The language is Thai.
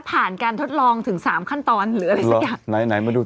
ผ่านการทดลองถึง๓ขั้นตอนหรืออะไรสักอย่าง